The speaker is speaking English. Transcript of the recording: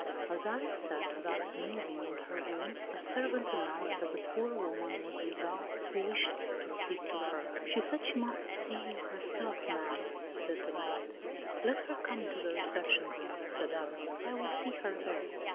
As Alice sat, thus musing, in her room, a servant announced that a poor woman was with out, who wished to speak to her. She said she must see you herself, m am," said the maid. " Let her come into the reception room," said Alice. "I will see her there."